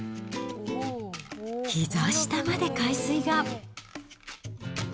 ひざ下まで海水が。